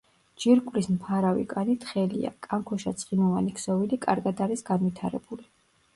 ჯირკვლის მფარავი კანი თხელია, კანქვეშა ცხიმოვანი ქსოვილი კარგად არის განვითარებული.